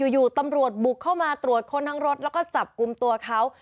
อยู่ตำรวจบุกเข้ามาตรวจค้นทั้งรถแล้วก็จับกลุ่มตัวเขา